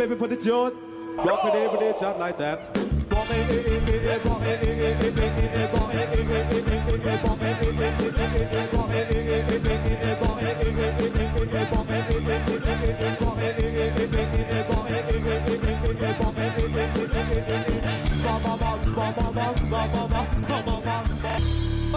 ปลาปลาปลาปลาปลาปลาปลาปลาปลาปลาปลา